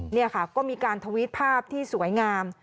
นี่ค่ะก็มีการทวิตภาพที่สวยงาม